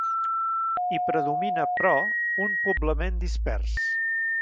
Hi predomina, però, un poblament dispers.